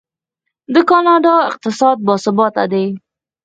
د کاناډا اقتصاد باثباته دی.